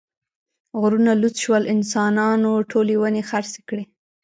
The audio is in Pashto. غرونه لوڅ شول، انسانانو ټولې ونې خرڅې کړې.